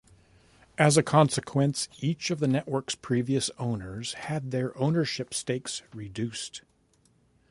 As a consequence, each of the network's previous owners had their ownership stakes reduced.